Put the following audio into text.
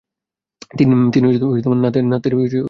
তিনি না'তের স্বীকৃত কবি ছিলেন।